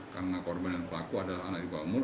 karena korban yang berlaku adalah anak di bawah umur